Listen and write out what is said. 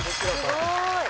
すごーい